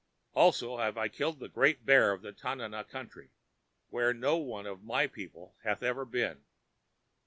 Also have I killed the great bear of the Tanana country, where no one of my people hath ever been.